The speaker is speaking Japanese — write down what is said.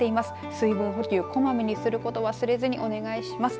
水分補給、こまめにすることを忘れずにお願いします。